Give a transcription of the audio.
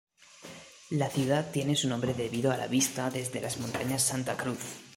La ciudad tiene su nombre debido a la vista desde las Montañas Santa Cruz.